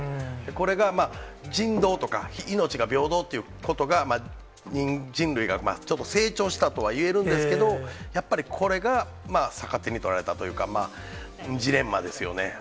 これが人道とか、命が平等ということが、人類がちょっと成長したとはいえるんですけど、やっぱりこれが逆手に取られたというか、ジレンマですよね。